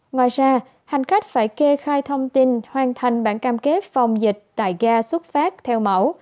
ngoài ra hành khách phải kê khai thông tin hoàn thành bản cam kết phòng dịch tại ga xuất phát theo mẫu